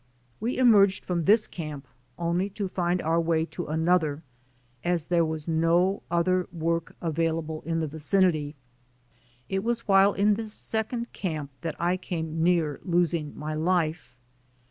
We emerged from this camp only to find our way to another, as there was no other work available in the vicinity. It was while in this second camp that I came near losing my life.